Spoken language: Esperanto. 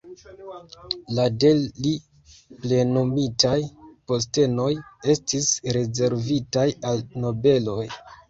La de li plenumitaj postenoj estis rezervitaj al nobeloj.